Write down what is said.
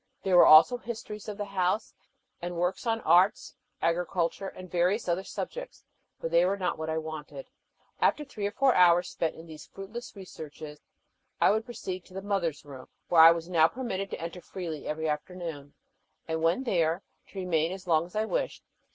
There were also histories of the house, and works on arts, agriculture, and various other subjects, but they were not what I wanted. After three or four hours spent in these fruitless researches, I would proceed to the Mother's Room, where I was now permitted to enter freely every afternoon, and when there, to remain as long as I wished.